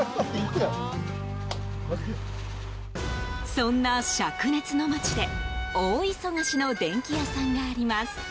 そんな灼熱の街で大忙しの電器屋さんがあります。